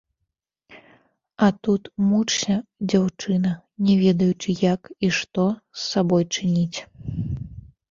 А тут мучся, дзяўчына, не ведаючы, як і што з сабой чыніць!